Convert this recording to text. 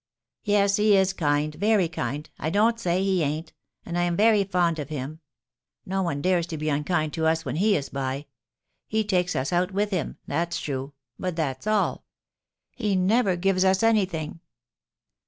"Yes, he is kind, very kind, I don't say he ain't; and I am very fond of him. No one dares to be unkind to us when he is by. He takes us out with him, that's true; but that's all; he never gives us anything."